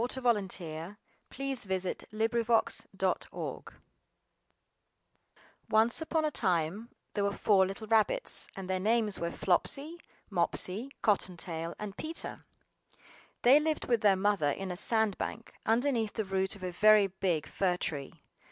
THE TALE OF PETER RABBIT BY BEATRIX POTTER ONCE upon a time there were four little Rabbits, and their names were Flopsy, Mopsy, Cotton tail, and Peter. They lived with their Mother in a sand bank, underneath the root of a very big fir tree.